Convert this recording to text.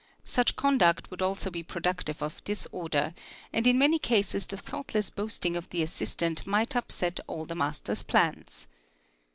Such conduct would also be productive of disorder and in many cases the thoughtless boasting of the assistant 'might upset all the master's plans.